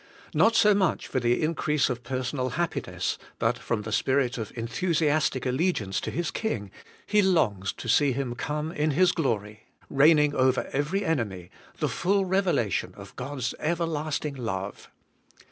Not so much for the increase of personal happiness, but from the spirit of enthusiastic allegiance to his King, he longs to see Him come in His glory, reigning over every enemy, the full revelation of God's everlasting love.